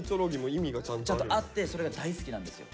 あってそれが大好きなんですよ。